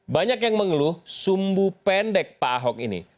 banyak yang mengeluh sumbu pendek pak ahok ini